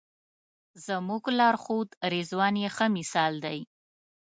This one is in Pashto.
زموږ لارښود رضوان یې ښه مثال دی.